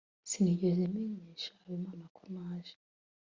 sinigeze menyesha habimana ko naje